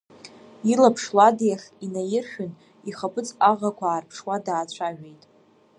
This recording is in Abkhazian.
Илаԥш Лад иахь инаиршәын, ихаԥыц аӷақәа аарԥшуа даацәажәеит.